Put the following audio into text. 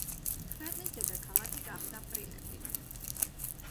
ქვეყნის დედაქალაქი გახდა პრილეპი.